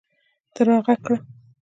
ته راږغ کړه !